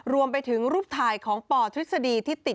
รวมไปถึงรูปถ่ายของปอลทฤษฎี